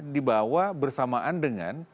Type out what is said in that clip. dibawa bersamaan dengan